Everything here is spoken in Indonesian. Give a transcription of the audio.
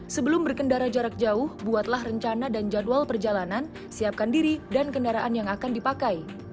sebelum berkendara jarak jauh buatlah rencana dan jadwal perjalanan siapkan diri dan kendaraan yang akan dipakai